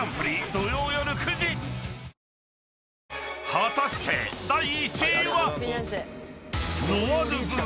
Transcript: ［果たして第１位は？］